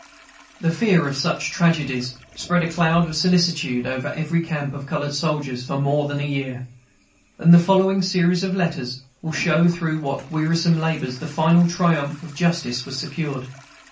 The fear of such tragedies spread a cloud of solicitude over every camp of colored soldiers for more than a year, and the following series of letters will show through what wearisome labors the final triumph of justice was secured.